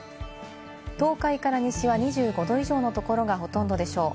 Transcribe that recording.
東海から西は２５度以上のところがほとんどでしょう。